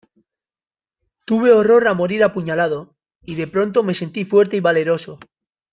tuve horror a morir apuñalado, y de pronto me sentí fuerte y valeroso.